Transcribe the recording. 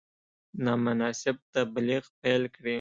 نامناسب تبلیغ پیل کړي.